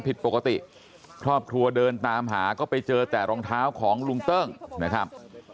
ผิดปกติครอบครัวเดินตามหาก็ไปเจอแต่รองเท้าของลุงเติ้งนะครับ